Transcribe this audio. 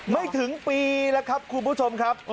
ไม่ถึงปีแล้วครับคุณผู้ชมครับ